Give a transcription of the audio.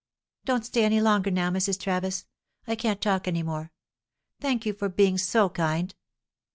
Don't stay any longer now, Mrs. Travis. I can't talk any more. Thank you for being so kind."